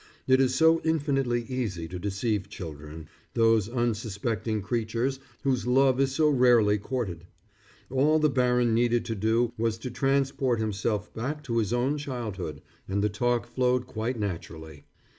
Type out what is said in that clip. It is so infinitely easy to deceive children, those unsuspecting creatures whose love is so rarely courted. All the baron needed to do was to transport himself back to his own childhood, and the talk flowed quite naturally.